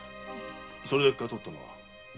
それだけか盗ったのは？